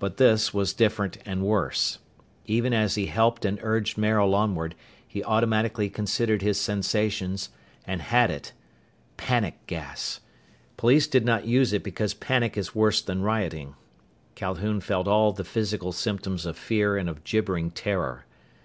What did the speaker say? But this was different and worse. Even as he helped and urged Maril onward, he automatically considered his sensations, and had it panic gas. Police did not use it because panic is worse than rioting. Calhoun felt all the physical symptoms of fear and of gibbering terror.